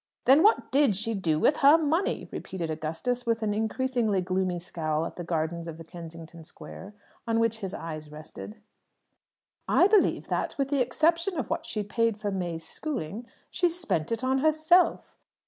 "Then what did she do with her money?" repeated Augustus, with an increasingly gloomy scowl at the gardens of the Kensington square on which his eyes rested. "I believe that, with the exception of what she paid for May's schooling, she spent it on herself."